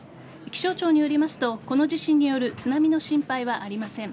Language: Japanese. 気象庁によりますとこの地震による津波の心配はありません。